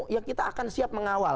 ya kita akan siap mengawal